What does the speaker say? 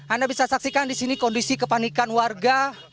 anda bisa saksikan di sini kondisi kepanikan warga